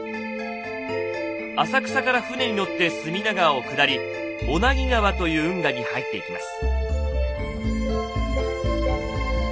浅草から船に乗って隅田川を下り小名木川という運河に入っていきます。